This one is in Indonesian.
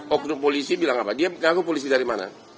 oknum polisi bilang apa dia kagum polisi dari mana